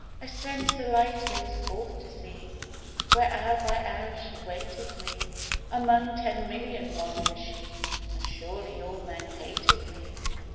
I sent the lightnings forth to see Where hour by hour she waited me. Among ten million one was she, And surely all men hated me!